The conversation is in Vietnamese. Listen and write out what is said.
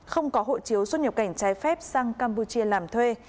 không có hộ chiếu xuất nhập cảnh trái phép sang campuchia làm thuê